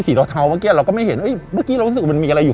เทาเมื่อกี้เราก็ไม่เห็นเมื่อกี้เรารู้สึกว่ามันมีอะไรอยู่